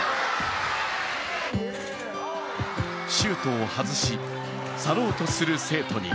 シュートを外し、去ろうとする生徒に